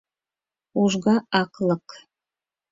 Ужга аклык.